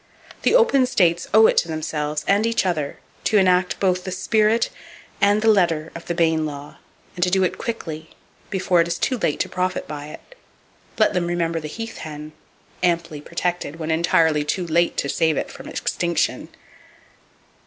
The open states owe it to themselves and each other to enact both the spirit and the letter of the Bayne law, and do it quickly, before it is too late to profit by it! Let them remember the heath hen,—amply protected when entirely too late to save it from extinction!